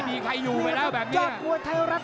ติดตามยังน้อยกว่า